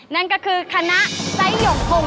นั่นก็คือคณะไจ้หยกฟงนั่นเองค่ะ